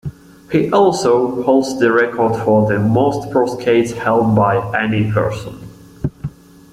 He also holds the record for the most pro skates held by any person.